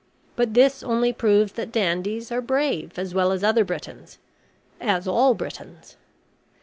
But this only proves that dandies are brave as well as other Britons as all Britons.